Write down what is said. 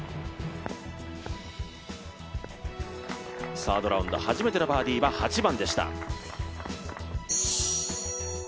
サードラウンド初めてのバーディーは８番でした。